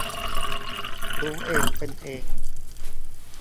รู้เองเป็นเอง